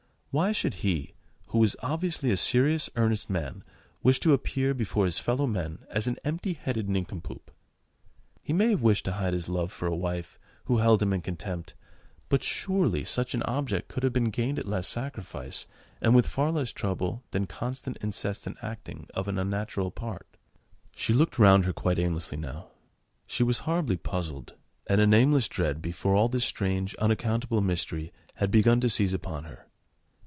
Why should he—who was obviously a serious, earnest man—wish to appear before his fellow men as an empty headed nincompoop? He may have wished to hide his love for a wife who held him in contempt ... but surely such an object could have been gained at less sacrifice, and with far less trouble than constant incessant acting of an unnatural part. She looked round her quite aimlessly now: she was horribly puzzled, and a nameless dread, before all this strange, unaccountable mystery, had begun to seize upon her.